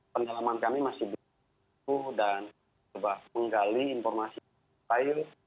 pendalaman kami masih berusaha dan mencoba menggali informasi